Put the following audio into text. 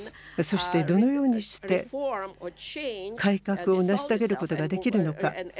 そして、どのようにして改革を成し遂げることができるのか。